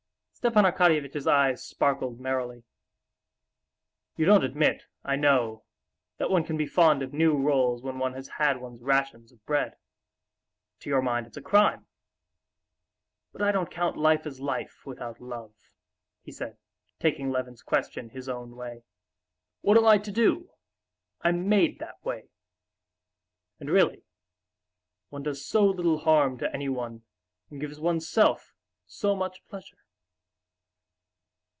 Stepan Arkadyevitch's eyes sparkled merrily. "You don't admit, I know, that one can be fond of new rolls when one has had one's rations of bread—to your mind it's a crime; but I don't count life as life without love," he said, taking Levin's question his own way. "What am I to do? I'm made that way. And really, one does so little harm to anyone, and gives oneself so much pleasure...."